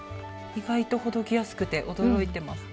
意外とほどきやすくて驚いてます。